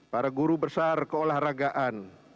para guru besar keolahragaan